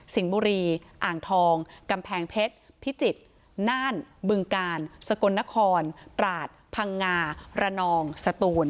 บุรีอ่างทองกำแพงเพชรพิจิตรน่านบึงกาลสกลนครตราดพังงาระนองสตูน